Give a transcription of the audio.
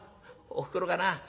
おふくろがな